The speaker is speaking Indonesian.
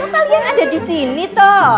kalian ada disini toh